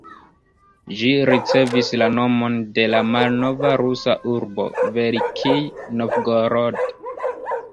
Ĝi ricevis la nomon de la malnova rusa urbo Velikij Novgorod.